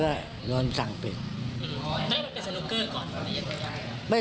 ขอให้ก็เจอเช่า